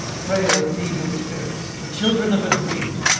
"Frail feeble spirits! the children of a dream!